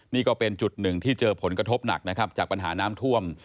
นี่ก็เป็นจุดหนึ่งที่เจอผลกระทบหนักนะครับจากปัญหาน้ำท่วม